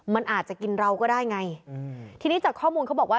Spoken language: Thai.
มันอาจจะกินเราก็ได้ไงอืมทีนี้จากข้อมูลเขาบอกว่า